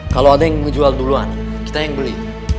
kalo ada yang ngejual duluan kita yang beli